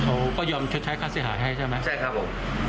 เขาก็ยอมชดใช้ค่าเสียหายให้ใช่ไหมใช่ครับผม